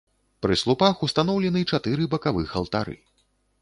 Пры слупах ўстаноўлены чатыры бакавых алтары.